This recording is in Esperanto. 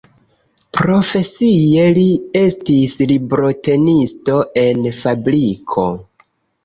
Profesie li estis librotenisto en fabriko.